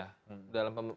dalam penggunaan kekuatan